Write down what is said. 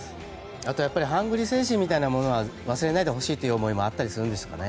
あとはハングリー精神というものは忘れないでほしいという思いもあったりするんですかね？